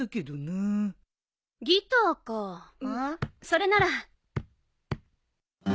それなら。